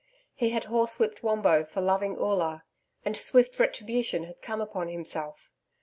He had horse whipped Wombo for loving Oola, and swift retribution had come upon himself....